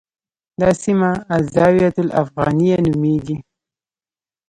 دا سیمه الزاویة الافغانیه نومېږي.